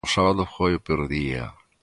O sábado foi o peor día.